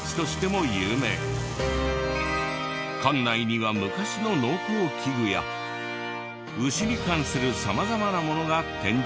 館内には昔の農耕機具や牛に関する様々なものが展示されている。